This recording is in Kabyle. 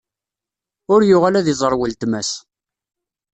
Ur yuɣal ad iẓer uletma-s.